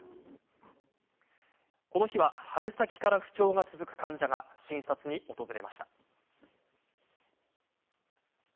この日は、春先から不調が続く患者が診察に訪れました。